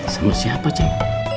sama siapa cek